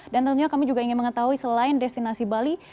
dan tentunya kami juga ingin mengetahui selain destinasi bali